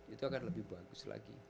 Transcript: itu akan lebih bagus lagi